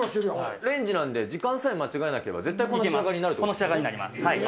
レンジなんで時間さえ間違えこの仕上がりになります。